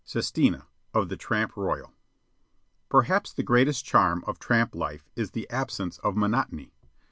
Sestina of the Tramp Royal Perhaps the greatest charm of tramp life is the absence of monotony.